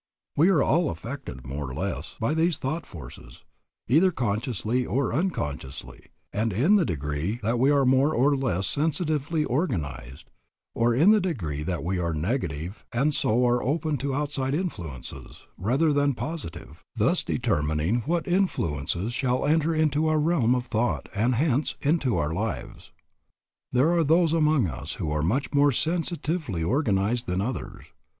We are all affected, more or less, by these thought forces, either consciously or unconsciously; and in the degree that we are more or less sensitively organized, or in the degree that we are negative and so are open to outside influences, rather than positive, thus determining what influences shall enter into our realm of thought, and hence into our lives. There are those among us who are much more sensitively organized than others.